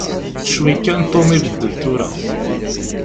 Ccwi kan Tom ibeddel tura.